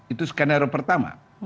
itu skenario pertama